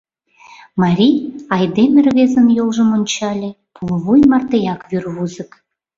Марий айдеме рвезын йолжым ончале — пулвуй мартеак вӱрвузык.